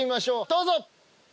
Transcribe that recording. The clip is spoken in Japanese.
どうぞ。